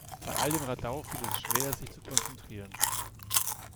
Bei all dem Radau fiel es schwer, sich zu konzentrieren.